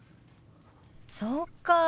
そうか。